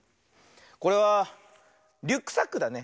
これはリュックサックだね。